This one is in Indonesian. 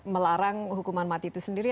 melarang hukuman mati itu sendiri